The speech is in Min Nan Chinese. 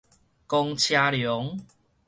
公車龍